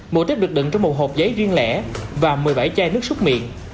mũ tiết được đựng trong một hộp giấy riêng lẻ và một mươi bảy chai nước súc miệng